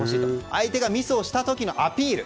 相手がミスした時のアピール。